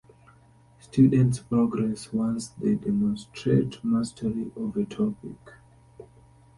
Students progress once they demonstrate mastery of a topic.